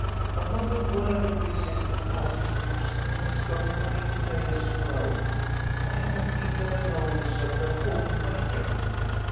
But not a word of business would pass his lips and he is going away to day, as you know. I am ill of annoyance over the whole matter."